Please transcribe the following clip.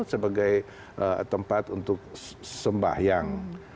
sebagai tempat untuk sembahyang